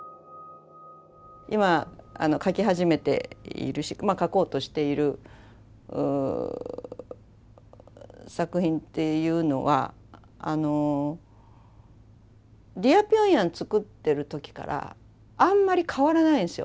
今書き始めているし書こうとしている作品っていうのはあの「ディア・ピョンヤン」作ってる時からあんまり変わらないんですよ